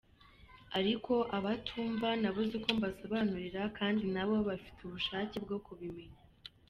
Ariko abatumva nabuze uko mbasobanurira kandi na bo bafite ubushake bwo kubimenya.